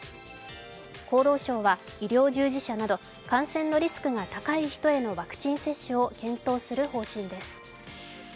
厚労省は医療従事者など感染のリスクが高い人へのワクチン接種を検討する方針です。